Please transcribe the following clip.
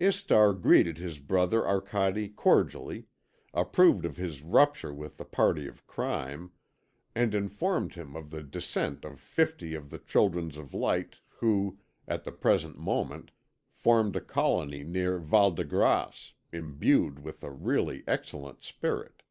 Istar greeted his brother Arcade cordially, approved of his rupture with the party of crime, and informed him of the descent of fifty of the children of light who, at the present moment, formed a colony near Val de Grace, imbued with a really excellent spirit.